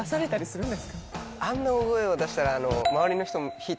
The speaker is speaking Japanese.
あんな大声を出したら。